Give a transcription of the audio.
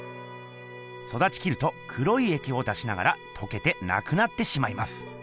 そだちきると黒いえきを出しながらとけてなくなってしまいます。